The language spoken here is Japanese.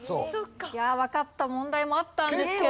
いやわかった問題もあったんですけど。